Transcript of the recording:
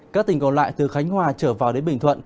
các tỉnh còn lại từ khánh hòa trở vào đến bình thuận